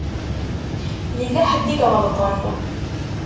Yella ḥedd i iɣelṭen.